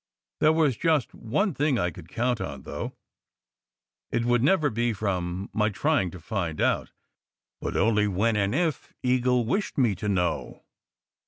There was just one thing I could count on, though! It would never be from my trying to find out, but only when, and if, Eagle wished me to know.